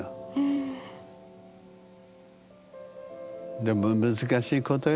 でも難しいことよ？